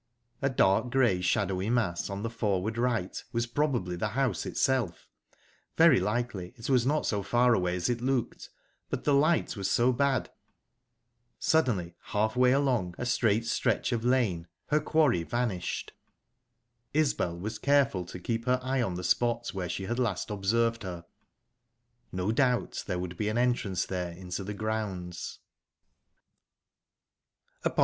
A dark grey shadowy mass on the forward right was probably the house itself; very likely it was not so far away as it looked, but the light was so bad...Suddenly half way along a straight stretch of lane, her quarry vanished... Isbel was careful to keep her eye on the spot where she had last observed her. No doubt there would be an entrance there into the grounds.